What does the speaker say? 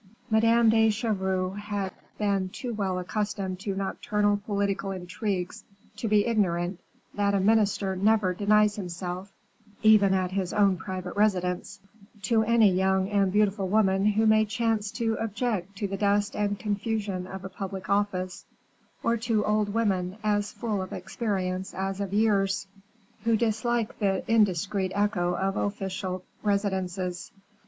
Madame de Chevreuse had been too well accustomed to nocturnal political intrigues to be ignorant that a minister never denies himself, even at his own private residence, to any young and beautiful woman who may chance to object to the dust and confusion of a public office, or to old women, as full of experience as of years, who dislike the indiscreet echo of official residences.